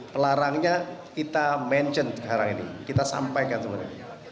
pelarangnya kita mention sekarang ini kita sampaikan sebenarnya